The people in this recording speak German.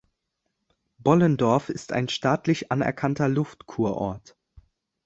Bollendorf ist ein staatlich anerkannter Luftkurort.